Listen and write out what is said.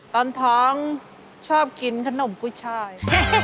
ตอนท้องชอบกินขนมกุ้ยชาย